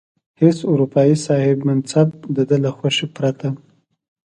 هیڅ اروپايي صاحب منصب د ده له خوښې پرته.